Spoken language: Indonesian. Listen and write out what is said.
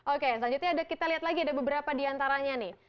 oke selanjutnya kita lihat lagi ada beberapa diantaranya nih